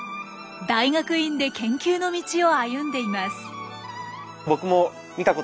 大学院で研究の道を歩んでいます。